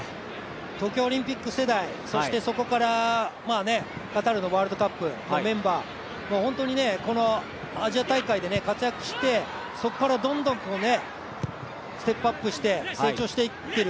東京オリンピック世代そして、そこからカタールのワールドカップのメンバー、本当にアジア大会でアジア大会で活躍してそこからどんどんステップアップして成長していってる。